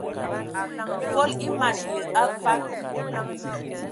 Fol e man yə afag.